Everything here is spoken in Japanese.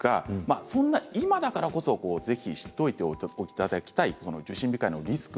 そんな今だからこそぜひ知っておいていただきたい受診控えのリスク